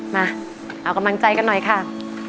มาเอากำลังใจกันหน่อยค่ะ